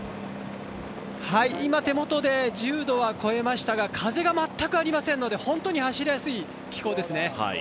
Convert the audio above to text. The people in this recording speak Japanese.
手元で１０度は超えましたが風が全くありませんので本当に走りやすい気候ですね。